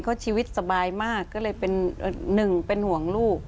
เขาชีวิตสบายมากก็เลยเป็นหนึ่งเป็นห่วงลูก